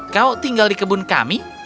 kau tinggal di kebun kami